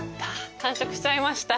完食しちゃいました。